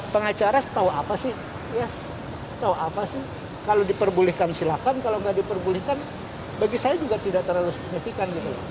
pengacara tahu apa sih kalau diperbolehkan silakan kalau tidak diperbolehkan bagi saya juga tidak terlalu signifikan